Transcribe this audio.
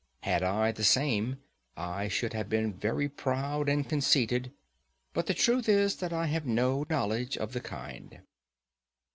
Had I the same, I should have been very proud and conceited; but the truth is that I have no knowledge of the kind.